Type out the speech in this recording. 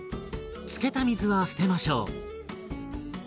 つけた水は捨てましょう。